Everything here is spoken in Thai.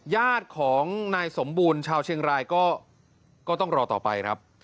ญาติของนายสมบูรณ์ชาวเชียงรายก็ต้องรอต่อไปครับ